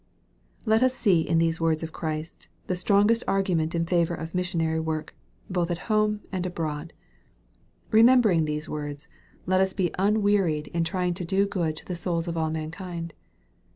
Let us see in these words of Christ, the strongest argument in favor of missionary work, both at home and abroad. Remembering these words, let us be un 364 EXPOSITORY THOIGHTS. wearied in trying to do good to the souls of all mankind.